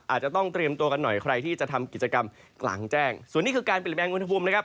อาจจะต้องเตรียมตัวกันหน่อยใครที่จะทำกิจกรรมกลางแจ้งส่วนนี้คือการเปลี่ยนแปลงอุณหภูมินะครับ